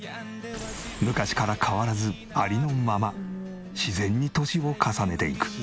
昔から変わらずありのまま自然に年を重ねていく。